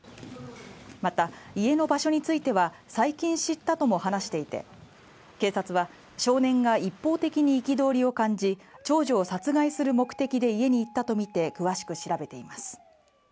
また家の場所については最近知ったとも話していて警察は少年が一方的に憤りを感じ長女を殺害する目的で家に入ったと見て詳しく調べています